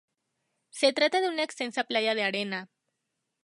Se trata de una extensa playa de arena.